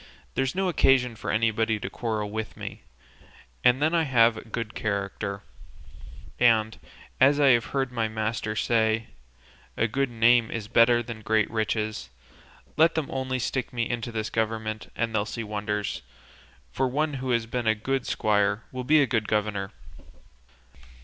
So there's no occasion for anybody to quarrel with me; and then I have a good character, and, as I have heard my master say, 'a good name is better than great riches;' let them only stick me into this government and they'll see wonders, for one who has been a good squire will be a good governor."